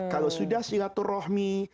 kalau sudah silaturrohmi